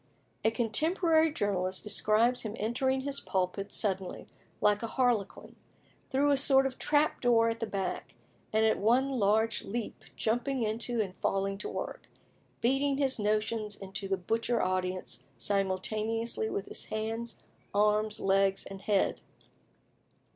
A contemporary journalist describes him entering his pulpit suddenly, like a harlequin, through a sort of trap door at the back, and "at one large leap jumping into it and falling to work," beating his notions into the butcher audience simultaneously with his hands, arms, legs, and head.